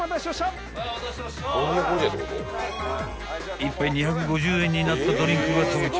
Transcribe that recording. ［１杯２５０円になったドリンクが到着］